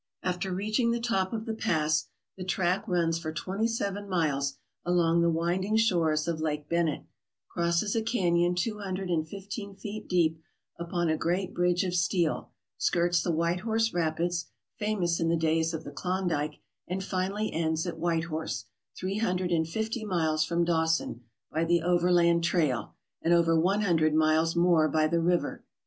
After reaching the top of the pass the track runs for twenty seven miles along the winding shores of Lake Bennett, crosses a canyon two hundred and fifteen feet deep upon a great bridge of steel, skirts the White Horse Rapids, famous in the days of the Klondike, and finally ends at White Horse, three hundred and fifty miles from Dawson by the overland trail and over one hundred miles more by the river.